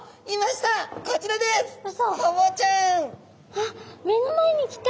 あっ目の前に来た！